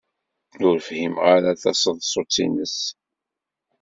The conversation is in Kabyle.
Ur fhimeɣ ara taseḍsut-nnes.